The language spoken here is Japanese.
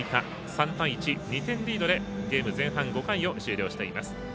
３対１２点リードでゲーム前半５回を終了しています。